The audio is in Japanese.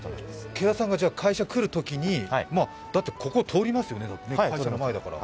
毛田さんが会社来るときに、だってここ通りますよね、会社の前田から。